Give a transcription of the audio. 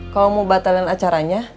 kalau mau batalin acaranya